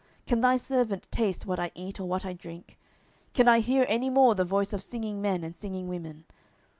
can thy servant taste what I eat or what I drink? can I hear any more the voice of singing men and singing women?